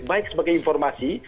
baik sebagai informasi